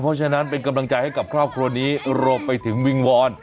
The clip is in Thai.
เพราะฉะนั้นเป็นกำลังใจให้กับครอบครัวนี้รวมไปถึงวิงวอน